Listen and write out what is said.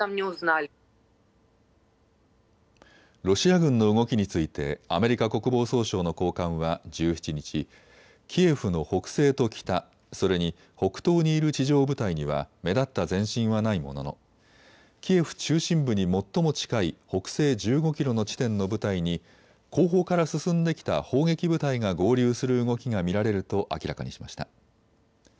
ロシア軍の動きについてアメリカ国防総省の高官は１７日、キエフの北西と北、それに北東にいる地上部隊には目立った前進はないもののキエフ中心部に最も近い北西１５キロの地点の部隊に後方から進んできた砲撃部隊が合流する動きが見られると明らかにしました。